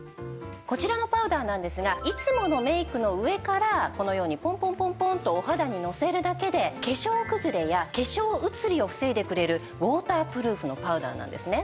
こちらのパウダーなんですがいつものメイクの上からこのようにポンポンポンポンとお肌にのせるだけで化粧くずれや化粧移りを防いでくれるウォータープルーフのパウダーなんですね。